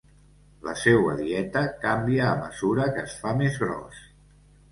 La seua dieta canvia a mesura que es fa més gros.